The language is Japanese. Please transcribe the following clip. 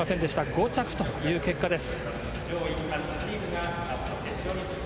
５着という結果です。